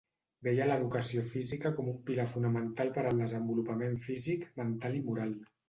Veia l'educació física com un pilar fonamental per al desenvolupament físic, mental i moral.